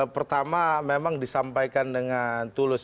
pertama memang disampaikan dengan tulus